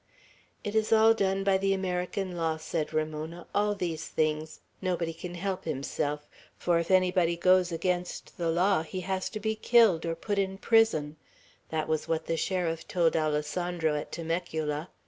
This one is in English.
"It is all done by the American law," said Ramona, "all these things; nobody can help himself; for if anybody goes against the law he has to be killed or put in prison; that was what the sheriff told Alessandro, at Temecula.